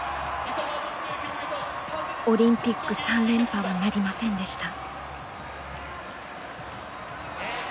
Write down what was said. オリンピック３連覇はなりませんでした。